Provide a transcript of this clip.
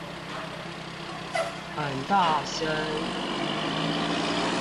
很大聲